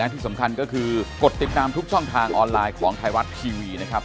ทุกช่องทางออนไลน์ของไทยรัฐทีวีนะครับ